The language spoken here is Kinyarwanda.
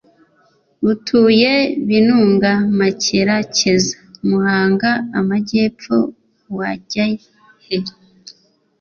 utuye binunga makera cyeza muhanga amajyepfo wajyahe